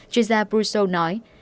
chuyên gia brousseau nói